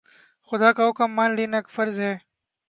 خدا کا حکم مان لینا فرض ہے